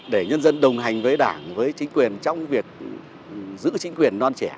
để nhân dân đồng hành với đảng với chính quyền trong việc giữ chính quyền non trẻ